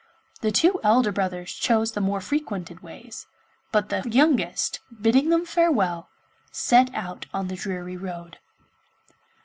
The two elder brothers chose the more frequented ways, but the youngest, bidding them farewell, set out on the dreary road.